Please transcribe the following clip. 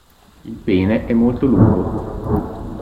Il pene è molto lungo.